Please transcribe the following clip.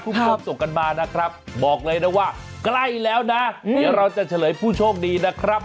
คุณผู้ชมส่งกันมานะครับบอกเลยนะว่าใกล้แล้วนะเดี๋ยวเราจะเฉลยผู้โชคดีนะครับ